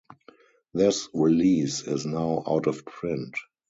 This release is now out of print.